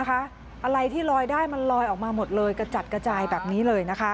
อะไรที่ลอยได้มันลอยออกมาหมดเลยกระจัดกระจายแบบนี้เลย